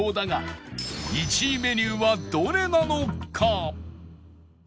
１位メニューはどれなのか？